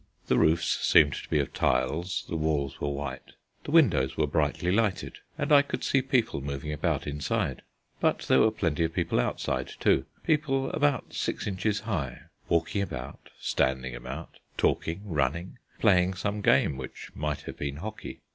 The roofs seemed to be of tiles, the walls were white, the windows were brightly lighted, and I could see people moving about inside. But there were plenty of people outside, too people about six inches high walking about, standing about, talking, running, playing some game which might have been hockey.